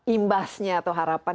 imbasnya atau harapan